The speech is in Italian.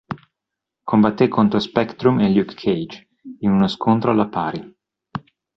Combatté contro Spectrum e Luke Cage, in uno scontro alla pari.